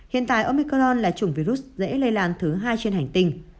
hiện tại omicron là chủng virus dễ lây lan thứ hai trên hành tinh